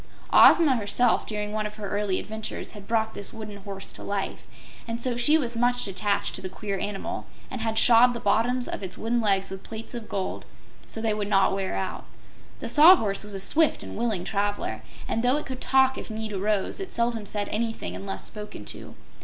Ozma herself, during one of her early adventures, had brought this wooden horse to life, and so she was much attached to the queer animal and had shod the bottoms of its wooden legs with plates of gold so they would not wear out. The Sawhorse was a swift and willing traveler, and though it could talk if need arose, it seldom said anything unless spoken to.